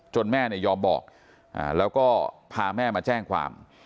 จนแม่ยอมบอกแล้วก็พาแม่มาแจ้งความ